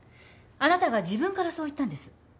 あなたが自分からそう言ったんです。